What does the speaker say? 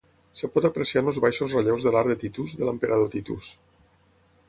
Es pot apreciar en els baixos relleus de l'Arc de Titus de l'emperador Titus.